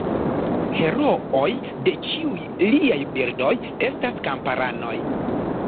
Herooj de ĉiuj liaj bildoj estas kamparanoj.